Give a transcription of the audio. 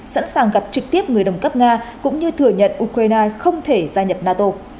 sẵn sàng gặp trực tiếp người đồng cấp nga cũng như thừa nhận ukraine không thể gia nhập nato